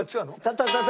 タタタタ。